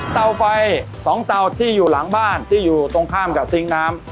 เตาไฟ๒เตาที่อยู่หลังบ้านที่อยู่ตรงข้ามกับซิงค์น้ำ